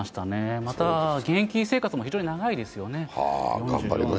また現役生活を非常に長いですよね、４４歳で。